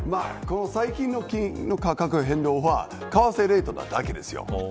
最近の金の価格の変動は為替レートなだけですよ。